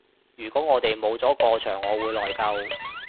如果我哋冇咗個場我會內疚